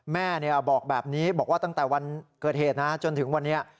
แม่บอกแบบนี้บอกว่าตั้งแต่วันเกิดเหตุนะจนถึงวันนี้